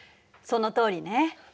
そのとおりね。